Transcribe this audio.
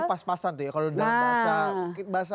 pas pasan tuh ya kalau dalam bahasa